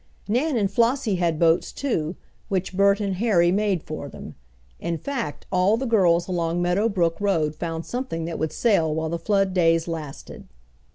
Nan and Flossie had boats too which Bert and Harry made for them. In fact, all the girls along Meadow Brook road found something that would sail while the flood days lasted.